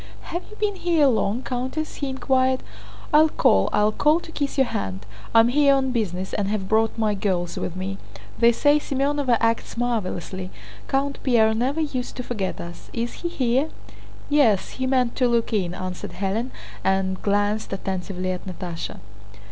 "Have you been here long, Countess?" he inquired. "I'll call, I'll call to kiss your hand. I'm here on business and have brought my girls with me. They say Semënova acts marvelously. Count Pierre never used to forget us. Is he here?" "Yes, he meant to look in," answered Hélène, and glanced attentively at Natásha.